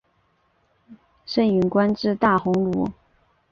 盛允官至大鸿胪。